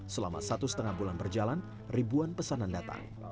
selama satu setengah bulan berjalan ribuan pesanan datang